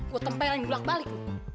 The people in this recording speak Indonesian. gue tempel yang gelak balik